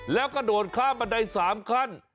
แล้วกระโดดข้ามบันได๓ขั้น